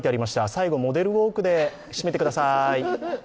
最後、モデルウォークで締めてください。